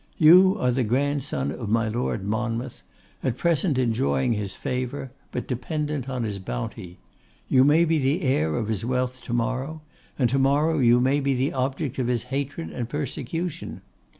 You are the grandson of my Lord Monmouth; at present enjoying his favour, but dependent on his bounty. You may be the heir of his wealth to morrow, and to morrow you may be the object of his hatred and persecution.